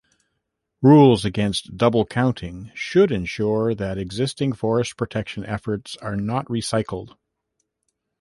Rules against 'double counting' should ensure that existing forest protection efforts are not recycled.